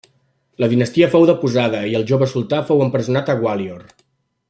La dinastia fou deposada i el jove sultà fou empresonat a Gwalior.